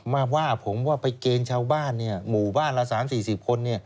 ม่าว่าผมไปเกณฑ์ชาวบ้านหมู่บ้านละ๓๐กว่าคน